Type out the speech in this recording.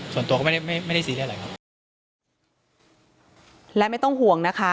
ส่วนตัวก็ไม่ได้ไม่ไม่ได้ซีเรียสอะไรครับและไม่ต้องห่วงนะคะ